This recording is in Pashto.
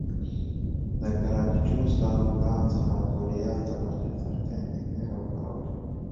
د ګراکچوس دغه پلان سناتوریال طبقې سختې اندېښنې را وپارولې